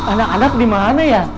anak anak dimana ya